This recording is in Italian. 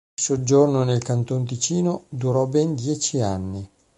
Il soggiorno nel Canton Ticino durò ben dieci anni.